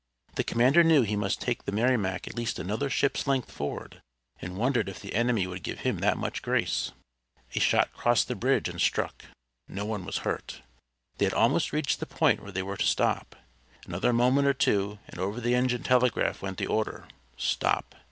The commander knew he must take the Merrimac at least another ship's length forward, and wondered if the enemy would give him that much grace. A shot crossed the bridge, and struck. No one was hurt. They had almost reached the point where they were to stop. Another moment or two, and over the engine telegraph went the order, "Stop!"